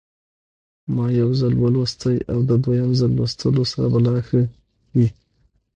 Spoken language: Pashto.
ما یو ځل ولوستی او د دویم ځل لوستلو سره به لا ښه وي.